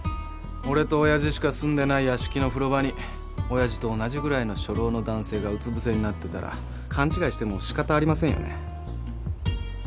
俺と親父しか住んでない屋敷の風呂場に親父と同じぐらいの初老の男性がうつぶせになってたら勘違いしても仕方ありませんよね？